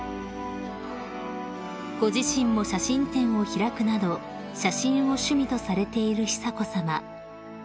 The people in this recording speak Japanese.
［ご自身も写真展を開くなど写真を趣味とされている久子さま］